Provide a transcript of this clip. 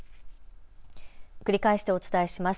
繰り返してお伝えします。